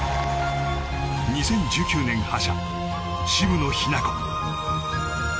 ２０１９年覇者、渋野日向子。